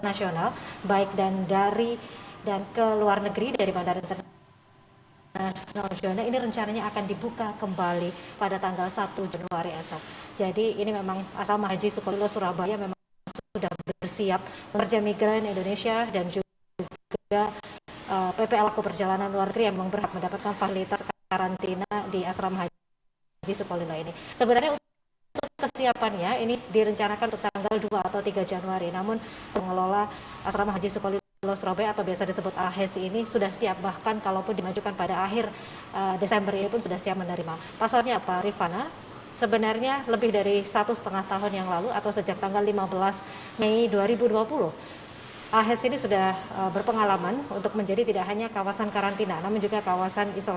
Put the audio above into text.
asrama haji surabaya jawa timur